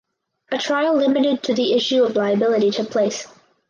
A trial limited to the issue of liability took place.